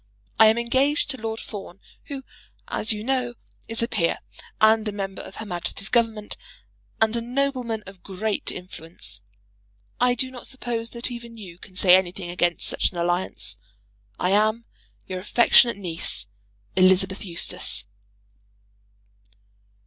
I am engaged to Lord Fawn, who, as you know, is a peer, and a member of Her Majesty's Government, and a nobleman of great influence. I do not suppose that even you can say anything against such an alliance. I am, your affectionate niece, ELI. EUSTACE.